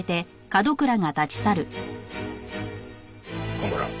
蒲原